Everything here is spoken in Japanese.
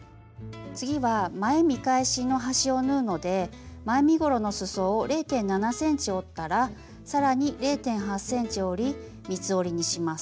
次は前見返しの端を縫うので前身ごろのすそを０．７ｃｍ折ったら更に０．８ｃｍ折り三つ折りにします。